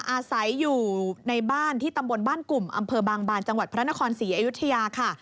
อาศัยอยู่ในบ้านที่ตำบลบ้านกลุ่มอำเภอบางบานจังหวัดพระนครศรีอยุธยาค่ะ